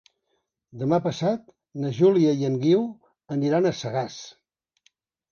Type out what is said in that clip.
Demà passat na Júlia i en Guiu aniran a Sagàs.